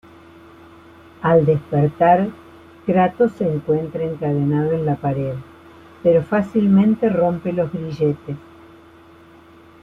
Al despertar, Kratos se encuentra encadenado en la pared, pero fácilmente rompe los grilletes.